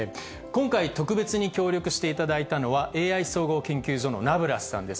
今回、特別に協力していただいたのは、ＡＩ総合研究所のナブラスさんです。